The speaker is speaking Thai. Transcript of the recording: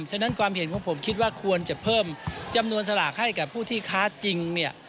ฉะนั้นความเห็นของผมคิดว่าควรจะเพิ่มจำนวนสลากให้กับผู้ที่ค้าจริง